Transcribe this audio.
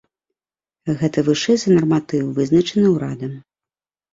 Гэта вышэй за нарматыў, вызначаны ўрадам.